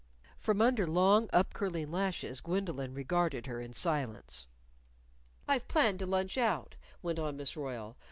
From under long up curling lashes Gwendolyn regarded her in silence. "I've planned to lunch out," went on Miss Royle.